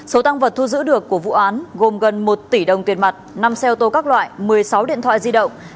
số tăng vật thu giữ được của vụ án gồm gần một tỷ đồng tiền mặt năm xe ô tô các loại một mươi sáu điện thoại di động